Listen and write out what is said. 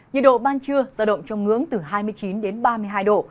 nhiệt độ ban trưa ra độ trong ngưỡng từ hai mươi chín đến ba mươi hai độ